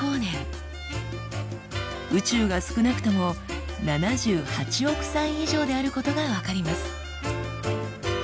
宇宙が少なくとも７８億歳以上であることが分かります。